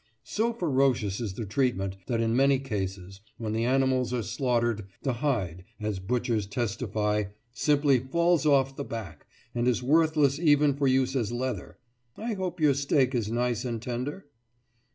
So ferocious is the treatment that in many cases, when the animals are slaughtered, the hide, as butchers testify, simply falls off the back, and is worthless even for use as leather. I hope your steak is nice and tender?